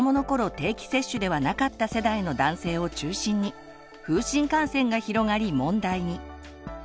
定期接種ではなかった世代の男性を中心に風疹感染が広がり問題に。